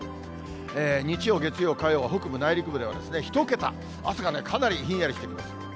日曜、月曜、火曜は北部内陸部では１桁、朝がかなりひんやりしてきます。